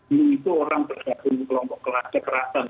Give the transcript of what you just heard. ini itu orang bergabung kelompok kekerasan